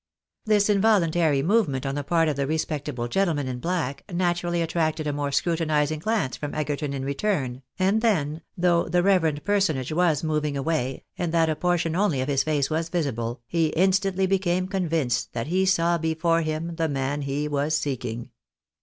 This involuntary movement on the part of the respectable gen tleman in black, naturally attracted a more scrutinising glance from Egerton in return, and then, though the reverend personage ■was moving away, and that a portion only of his face was visible, he instantly became convinced that he saw before him the man he was seeking.